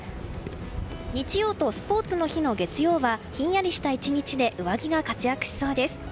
日曜とスポーツの日の月曜はひんやりした１日で上着が活躍しそうです。